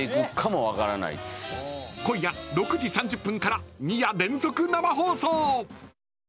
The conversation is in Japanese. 今夜６時３０分から２夜連続生放送。